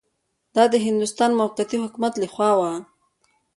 دا د هندوستان موقتي حکومت له خوا وه.